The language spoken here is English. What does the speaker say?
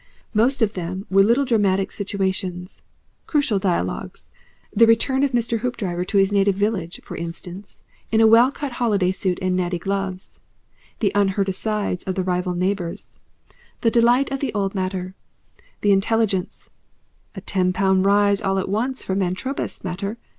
Most of them were little dramatic situations, crucial dialogues, the return of Mr. Hoopdriver to his native village, for instance, in a well cut holiday suit and natty gloves, the unheard asides of the rival neighbours, the delight of the old 'mater,' the intelligence "A ten pound rise all at once from Antrobus, mater.